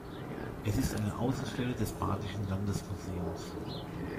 Es ist eine Außenstelle des Badischen Landesmuseums.